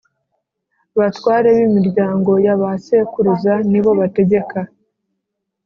Batware b imiryango ya ba sekuruza ni bo bategeka